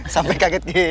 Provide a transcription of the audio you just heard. sampai kaget gitu